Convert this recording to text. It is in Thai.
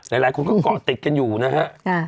หลายคนก็เกาะติดกันอยู่นะฮะ